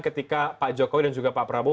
ketika pak jokowi dan juga pak prabowo